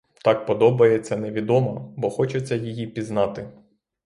Так подобається невідома, бо хочеться її пізнати.